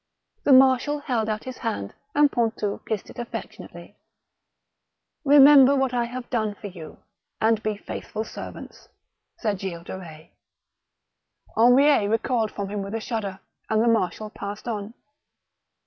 The marshal held out his hand, and Pontou kissed it aJBTectionately. *' Eemember what I have done for you, and be faithful servants," said Gilles de Eetz. Henriet recoiled from him with a shudder, and the marshal passed on.